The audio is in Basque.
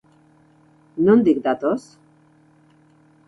Nondik datoz?